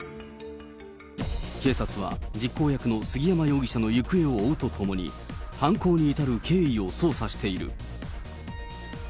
警察は実行役の杉山容疑者の行方を追うとともに、犯行に至る経緯を捜査している。